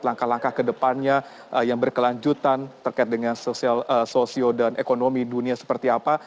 langkah langkah ke depannya yang berkelanjutan terkait dengan sosio dan ekonomi dunia seperti apa